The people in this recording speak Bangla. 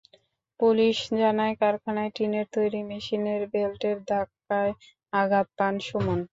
পুলিশ জানায়, কারখানায় টিনের তৈরি মেশিনের বেল্টের ধাক্কায় আঘাত পান সুমন।